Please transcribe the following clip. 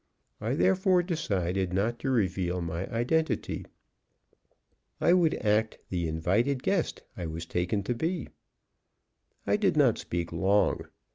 I therefore decided not to reveal my identity; I would act the invited guest I was taken to be. I did not speak long.